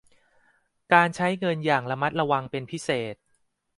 การใช้เงินอย่างระมัดระวังเป็นพิเศษ